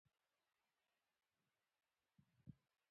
انځور د نړۍ خلکو ته د مذهبي ارزښتونو اهمیت ښيي.